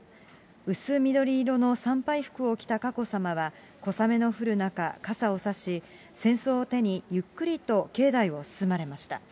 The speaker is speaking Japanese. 薄緑色の参拝服を着た佳子さまは、小雨の降る中、傘を差し、扇子を手に、ゆっくりと境内を進まれました。